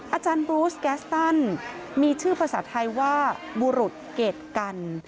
อาจารย์บรูสแกสตันมีชื่อภาษาไทยว่าบุรุษเกรดกัน